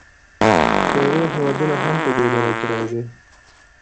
پیرو هېوادونه هم په دې ډله کې راځي.